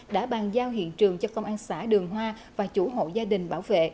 đã bàn giao hiện trường cho công an xã đường hoa và chủ hộ gia đình bảo vệ